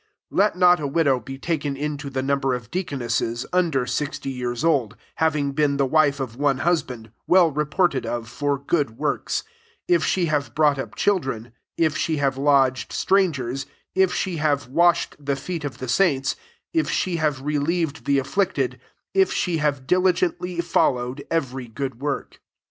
9 Let not a widow be taken into the number oi dcactmnesHn under sixty years old, having been the wife of one husband, 10 well reported of for good works ; if she have brought op children, if she have lodged strangers, if she have washed the feet of the saints, if she have relieved the afflicted, if she have diligently followed every good work.